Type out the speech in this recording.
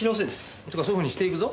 っていうかそういうふうにしていくぞ。